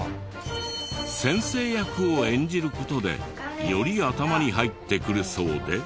先生役を演じる事でより頭に入ってくるそうで。